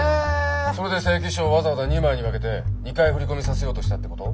それで請求書をわざわざ２枚に分けて２回振り込みさせようとしたってこと？